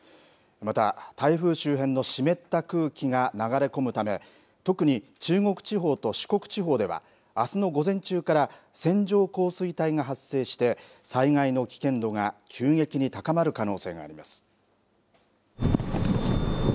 また、台風周辺の湿った空気が流れ込むため特に中国地方と四国地方ではあすの午前中から線状降水帯が発生して災害の危険度が急激に高まる可能性があります。